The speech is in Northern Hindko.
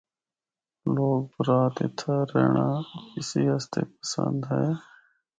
لوگ رات اِتھا رہنڑا اسی اسطے پسند اے۔